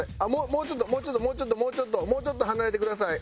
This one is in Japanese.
もうちょっともうちょっともうちょっともうちょっともうちょっと離れてください」。